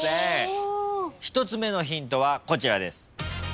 １つ目のヒントはこちらです。